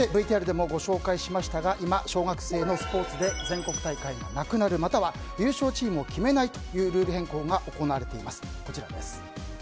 ＶＴＲでもご紹介しましたが今、小学生のスポーツで全国大会がなくなるまたは優勝チームを決めないというルール変更が行われています。